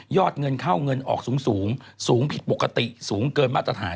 เงินเข้าเงินออกสูงสูงผิดปกติสูงเกินมาตรฐาน